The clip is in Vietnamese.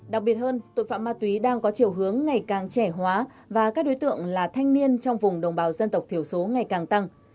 đặc biệt hơn tội phạm ma túy đang có chiều hướng ngày càng trẻ hóa và các đối tượng là thanh niên trong vùng đồng bào dân tộc thiểu số ngày càng tăng